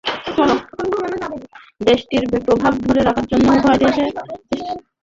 দেশটিতে প্রভাব ধরে রাখার জন্য উভয় দেশ মরিয়া চেষ্টা করে চলেছে।